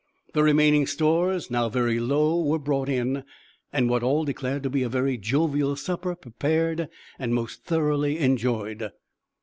The remaining stores, now very low, were brought in, and what all declared to be a very jovial supper prepared and most thoroughly enjoyed.